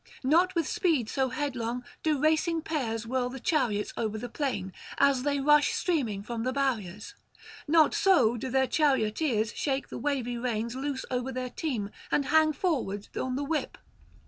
Not with speed so headlong do racing pairs whirl the chariots over the plain, as they rush streaming from the barriers; not so do their charioteers shake the wavy reins loose over their team, and hang forward on the whip.